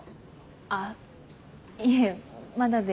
あっいえまだで。